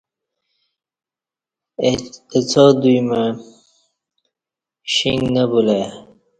اہ څا دوی مع شیݣ نہ بُلہ ای